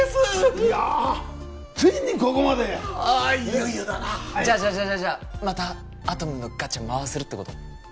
いやついにここまでああいよいよだなじゃあじゃあじゃあじゃあまたアトムのガチャ回せるってこと？